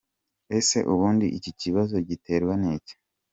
Ese ubundi iki kibazo giterwa n’iki? .